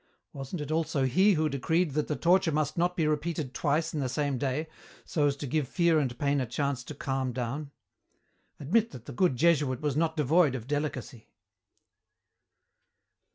Wasn't it also he who decreed that the torture must not be repeated twice in the same day, so as to give fear and pain a chance to calm down? Admit that the good Jesuit was not devoid of delicacy!"